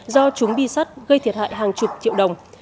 do trúng bi sắt gây thiệt hại hàng chục triệu đồng